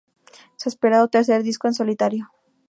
Su esperado tercer disco en solitario.